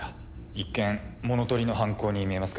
一見物盗りの犯行に見えますけどね。